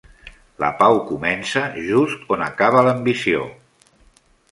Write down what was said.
La pau comença just on acaba l'ambició.